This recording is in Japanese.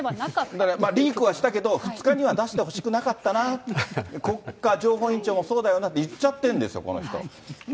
だからリークはしていたけど、２日には出してほしくなかったな、国家情報院長もそうだよなって言っちゃってるんですよ、この人。